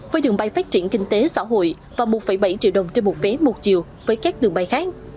với đường bay phát triển kinh tế xã hội và một bảy triệu đồng trên một vé một chiều với các đường bay khác